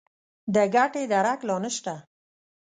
د ګټې درک لا نه شته.